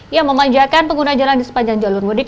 yang memanjakan pengguna jalan di sepanjang jalur mudik